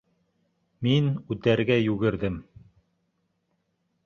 Мин үтәргә йүгерҙем.